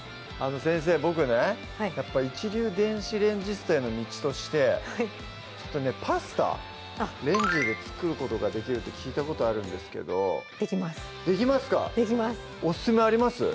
先生ボクねやっぱり一流電子レンジストへの道としてちょっとねパスタレンジで作ることができるって聞いたことあるんですけどできますできますかオススメあります？